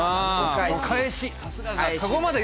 お返し。